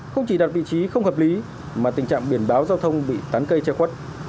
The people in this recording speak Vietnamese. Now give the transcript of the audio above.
không chỉ đạt vị trí không hợp lý mà tình trạng biển báo giao thông bị tán cây che khuất